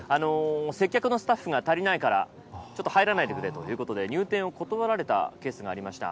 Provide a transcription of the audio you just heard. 接客のスタッフが足りないからちょっと入らないでくれということで入店を断られたケースがありました。